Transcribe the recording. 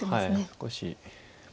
少し。